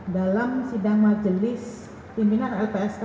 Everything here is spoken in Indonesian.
dalam sidang majelis pimpinan lpsk